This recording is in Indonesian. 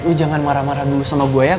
lu jangan marah marah dulu sama gue ya